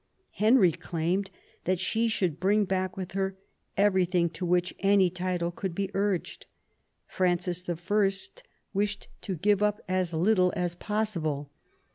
Henry claimed that she should bring back with her everything to which any title could be urged: Francis I. wished to give up as J 86 THOMAS WOLSEY chap. little as possible.